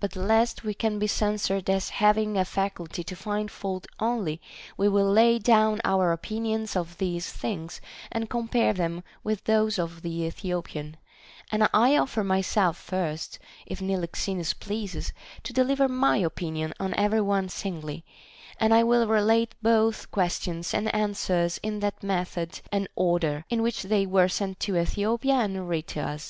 But lest we be censured as having a faculty to find fault only, we will lay down our opinions of these things, and compare them with those of the Ethiopian ; and I offer myself first, if Niloxenus pleases, to deliver my opinion on every one singly, and I will relate both questions and answers in that method and order in which they were sent to Ethiopia and read to us.